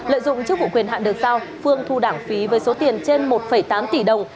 lợi dụng chức vụ quyền hạn được giao phương thu đảng phí với số tiền trên một tám tỷ đồng